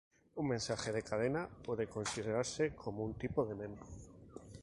Un mensaje de cadena puede considerarse como un tipo de meme.